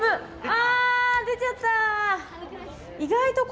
あ出ちゃった。